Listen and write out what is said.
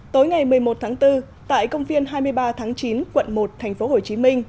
tối ngày một mươi một tháng bốn tại công viên hai mươi ba tháng chín quận một tp hcm